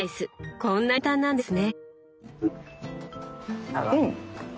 こんなに簡単なんですね！